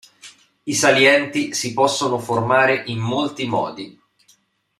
I salienti si possono formare in molti modi.